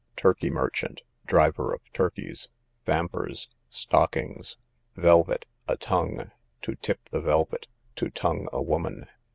Turkey merchant, driver of turkeys. Vampers, stockings. Velvet, a tongue. To tip the velvet, to tongue a woman.